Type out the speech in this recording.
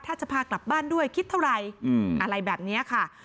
ถ้าจะพากลับบ้านด้วยคิดเท่าไรอะไรแบบนี้ค่ะ